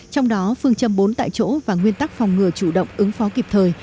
trong đó phương châm bốn tại chỗ và nguyên tắc phòng ngừa chủ động ứng phó kịp thời